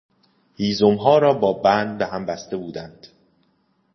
هیزمها را با بند به هم بسته بودند.